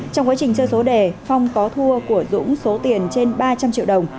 trong quá trình chơi số đề phong có thua của dũng số tiền trên ba trăm linh triệu đồng